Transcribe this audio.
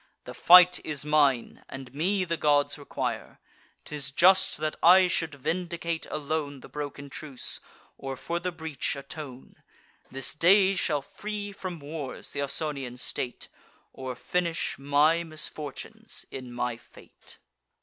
The fight is mine; and me the gods require. 'Tis just that I should vindicate alone The broken truce, or for the breach atone. This day shall free from wars th' Ausonian state, Or finish my misfortunes in my fate."